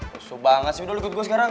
susu banget sih udah lo ikut gue sekarang